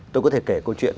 tôi có thể kể câu chuyện